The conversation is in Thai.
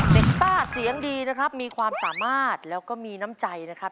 ซ่าเสียงดีนะครับมีความสามารถแล้วก็มีน้ำใจนะครับ